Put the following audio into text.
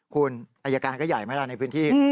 คุณอายการก็ใหญ่ไหมล่ะในพื้นที่